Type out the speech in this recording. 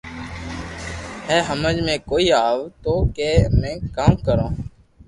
ھي ھمج ۾ ڪوئي آ وتو ڪي اپي ڪاو ڪرو